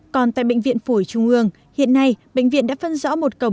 còn tại bệnh viện phủi trung ương hiện nay bệnh viện đã phân rõ một cầu thông